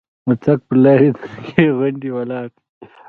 د تګ پر لارې دنګې غونډۍ ولاړې دي.